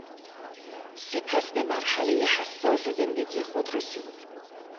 سپس به مرحلهی حساس زندگی خود رسید...